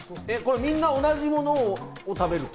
みんな同じものを食べる？